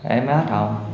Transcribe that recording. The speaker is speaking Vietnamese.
em mới hát hổng